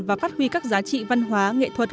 và phát huy các giá trị văn hóa nghệ thuật